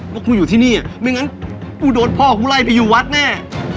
ว่ากูอยู่ที่นี่ไม่งั้นกูโดนพ่อกูไล่ไปอยู่วัดแน่